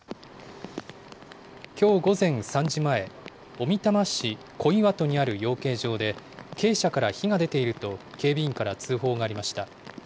きょう午前３時前、小美玉市小岩戸にある養鶏場で、鶏舎から火が出ていると、警備員から通報がありました。